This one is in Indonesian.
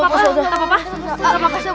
kalian gak apa apa kan